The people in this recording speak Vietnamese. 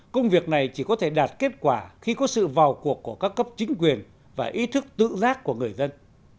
công việc này chỉ có thể đạt kết quả khi có sự vào cuộc của các cấp chính quyền và ý thức tự giác của người dân